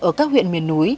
ở các huyện miền núi